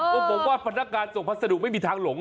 ต้องบอกว่าพนักการณ์ส่งพัสดุไม่มีทางหลง